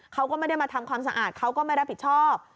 เขาก็ไม่ได้มาทำความสะอาดเขาก็ไม่รับผิดชอบ